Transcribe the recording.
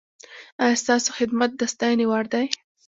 ایا ستاسو خدمت د ستاینې وړ دی؟